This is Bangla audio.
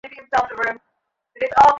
রাত্রে তার ঘুম হয় না।